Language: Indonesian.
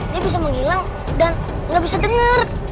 dia bisa menghilang dan gak bisa denger